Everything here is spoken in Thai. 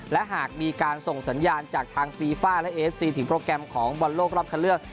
และหากมีการส่งสัญญาณจากทางฟีฟ่าและเอฟซีถึงโปรแกรมของบอลโลกรอบคันเลือก